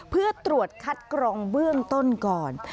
เพื่อตรวจคัดกรองเบื้องต้นก่อน